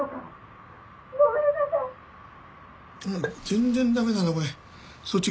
全然駄目だなこれ。